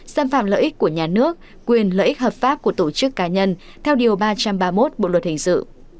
xâm phạm lợi ích của nhà nước quyền lợi ích hợp pháp của tổ chức cá nhân theo điều ba trăm ba mươi một bộ luật hình sự